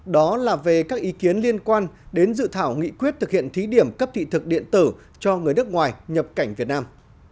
đó là về các ý kiến liên quan đến dự thảo nghị quyết thực hiện thí điểm cấp thị thực điện tử cho người nước ngoài nhập cảnh việt nam